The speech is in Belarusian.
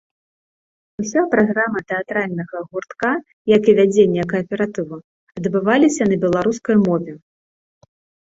Уся праграма тэатральнага гуртка, як і вядзенне кааператыву, адбываліся на беларускай мове.